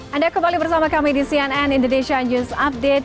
anda kembali bersama kami di cnn indonesia news update